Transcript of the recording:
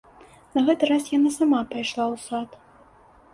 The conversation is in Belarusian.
На гэты раз яна сама пайшла ў сад.